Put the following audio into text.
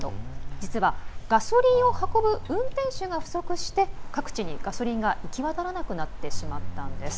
実は、ガソリンを運ぶ運転手が不足して、各地にガソリンが行き渡らなくなってしまったんです。